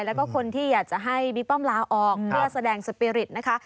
แล้วก็คนที่อยากจะให้บิ๊กป้อมลาออกเพื่อแสดงสปีริตนะคะ